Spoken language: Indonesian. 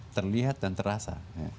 terlihat dan terasa